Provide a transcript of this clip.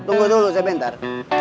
tunggu dulu sebentar